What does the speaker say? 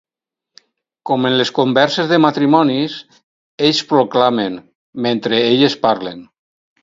Com en les converses de matrimonis, ells proclamen mentre elles parlen.